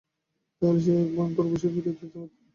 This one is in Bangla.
তাহলে সে এই ভয়ংকর অভিশাপ ফিরিয়ে নিতে পারবে?